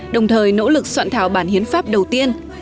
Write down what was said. đồng thời nỗ lực soạn thảo bản hiến pháp đầu tiên